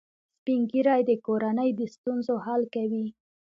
سپین ږیری د کورنۍ د ستونزو حل کوي